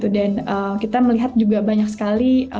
dan kita melihat juga banyak sekali